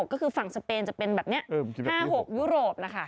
ก็คือฝั่งสเปนจะเป็นแบบนี้๕๖ยุโรปนะคะ